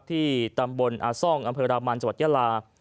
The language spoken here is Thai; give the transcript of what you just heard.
ที่ตำบลอาซ่องอำเภอรามันจังหวัดยาลา